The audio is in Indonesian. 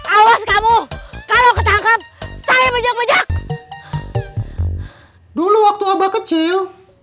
awas kamu kalau ketangkep saya bejak bejak dulu waktu abah kecil